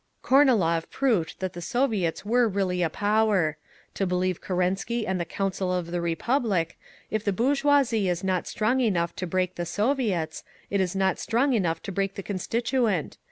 "Kornilov proved that the Soviets were really a power. To believe Kerensky and the Council of the Republic, if the bourgeoisie is not strong enough to break the Soviets, it is not strong enough to break the Constituent.